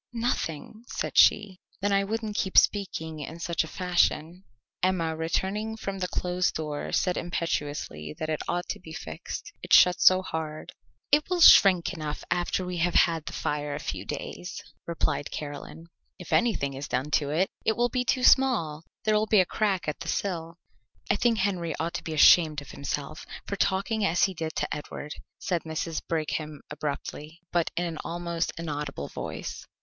"Nothing," said she. "Then I wouldn't keep speaking in such a fashion." Emma, returning from the closed door, said imperiously that it ought to be fixed, it shut so hard. "It will shrink enough after we have had the fire a few days," replied Caroline. "If anything is done to it it will be too small; there will be a crack at the sill." "I think Henry ought to be ashamed of himself for talking as he did to Edward," said Mrs. Brigham abruptly, but in an almost inaudible voice.